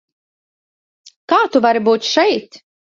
Kā tu vari būt šeit?